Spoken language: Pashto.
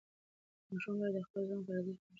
ماشوم باید د خپل ځان پر ارزښت پوه شي.